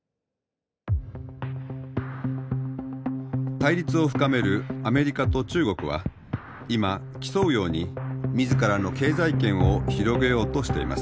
対立を深めるアメリカと中国は今競うように自らの経済圏を広げようとしています。